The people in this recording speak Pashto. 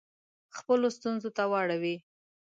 خپلو ستونزو ته واړوي.